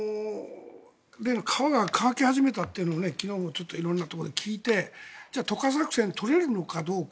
例の川が乾き始めたというのが昨日も色々なところで聞いてじゃあ、渡河作戦取れるのかどうか。